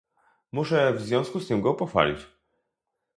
Muszę w związku z tym go pochwalić